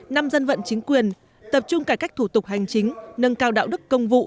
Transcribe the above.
năm dân vận chính quyền tập trung cải cách thủ tục hành chính nâng cao đạo đức công vụ